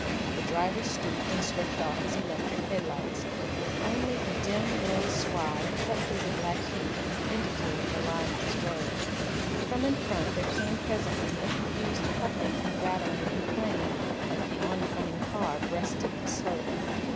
The driver stooped and switched off his electric head lights. Only a dim grey swathe cut through the black heath indicated the line of his road. From in front there came presently a confused puffing and rattling and clanging as the oncoming car breasted the slope.